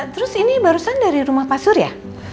terus ini barusan dari rumah pasur ya